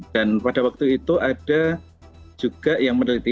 dan pada waktu itu ada juga yang meneliti